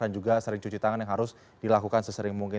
dan juga sering cuci tangan yang harus dilakukan sesering mungkin